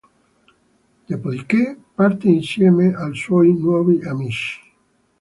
Dopodiché, parte insieme ai suoi nuovi amici.